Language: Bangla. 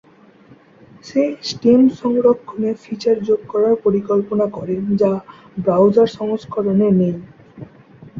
সে স্টেম সংস্করণে ফিচার যোগ করার পরিকল্পনা করেন যা ব্রাউজার সংস্করণে নেই।